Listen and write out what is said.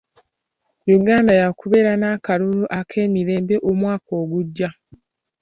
Uganda yaakubeera n'akalulu ak'emirembe omwaka ogujja.